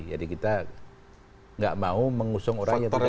jadi kita tidak mau mengusung orang yang tidak jadi